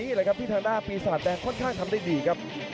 ลูกแบบนี้ที่ทางหน้าปีศาจแดงค่อนข้างก็ทำได้ดีครับ